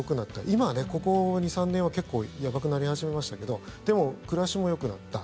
今はね、ここ２３年は結構やばくなり始めましたけどでも暮らしもよくなった。